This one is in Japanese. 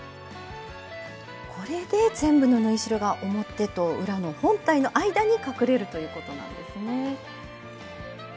これで全部の縫い代が表と裏の本体の間に隠れるということなんですね。